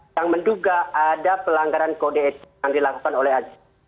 yang menduga ada pelanggaran kode etik yang dilakukan oleh aziz